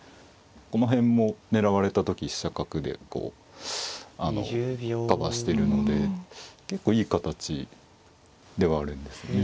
この辺も狙われた時飛車角でこうカバーしてるので結構いい形ではあるんですね。